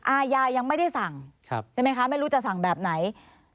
อาญายังไม่ได้สั่งใช่ไหมคะไม่รู้จะสั่งแบบไหน